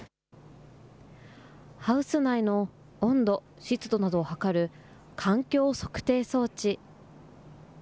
ハウス内の温度、湿度などを測る環境測定装置。